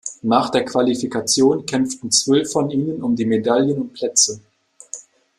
Nach der Qualifikation kämpften zwölf von ihnen um die Medaillen und Plätze.